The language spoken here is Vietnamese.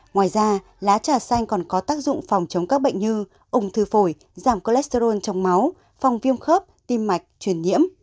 ngoài ra lá trà xanh còn có tác dụng phòng chống các bệnh như ung thư phổi giảm cholesterol trong máu phòng viêm khớp tim mạch truyền nhiễm